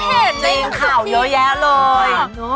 สักทีข่าวเยอะแยะเลย